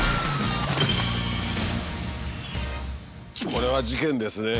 これは事件ですね。